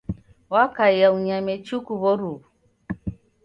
Wakaia unyame chuku w'oruwu.